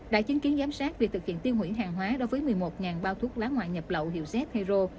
đã chứng kiến giám sát việc thực hiện tiêu hủy hàng hóa đối với một mươi một bao thuốc lá ngoại nhập lậu hiệu z hero